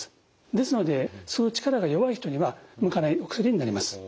ですので吸う力が弱い人には向かないお薬になります。